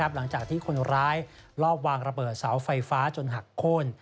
หลังจากที่คนร้ายลอบวางระเบิดเสาไฟฟ้าจนหักโค้น